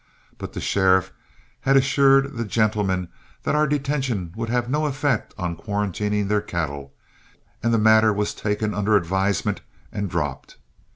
But the sheriff had assured the gentlemen that our detention would have no effect on quarantining their cattle, and the matter was taken under advisement and dropped.